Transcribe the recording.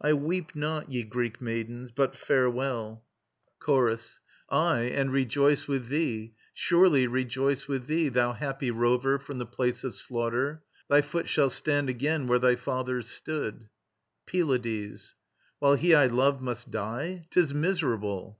I weep not, ye Greek maidens: but farewell. CHORUS. [ANTISTROPHE.] Aye, and rejoice with thee; surely rejoice with thee, Thou happy rover from the place of slaughter; Thy foot shall stand again where thy father's stood. PYLADES. While he I love must die? 'Tis miserable.